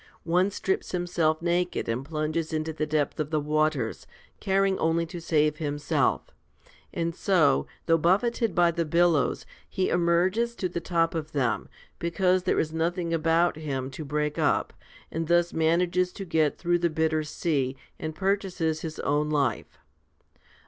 One strips himself naked, and plunges into the depth of the waters, caring only to save himself; and so, though buffeted by the billows, he emerges to the top of them, because there is nothing about him to break up, and thus manages to get through the bitter sea, and purchases his own life.